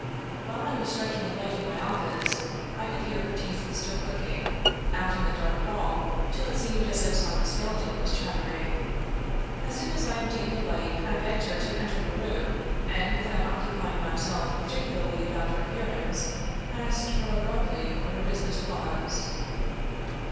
While I was striking a light in my office, I could hear her teeth still clicking, out in the dark hall, till it seemed as if some skeleton was chattering. As soon as I obtained a light I begged her to enter the room, and, without occupying my self particularly about her appearance, asked her abruptly what her business was.